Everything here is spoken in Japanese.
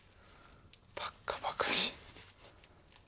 バッカバカしい。